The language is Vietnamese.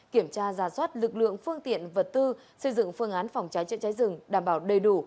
kiểm tra giả soát lực lượng phương tiện vật tư xây dựng phương án phòng cháy chữa cháy rừng đảm bảo đầy đủ